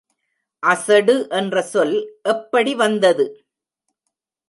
அசடு என்ற சொல் எப்படி வந்தது?